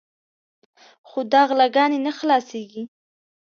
خو دا غلاګانې نه خلاصېږي.